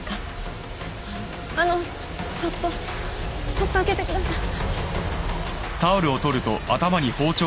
あのそっとそっと開けてください。